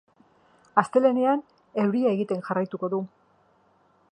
Astelehenean euria egiten jarraituko du.